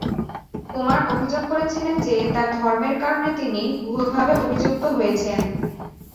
কুমার অভিযোগ করেছিলেন যে তার ধর্মের কারণে তিনি ভুলভাবে অভিযুক্ত হয়েছেন।